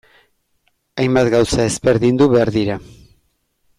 Hainbat gauza ezberdindu behar dira.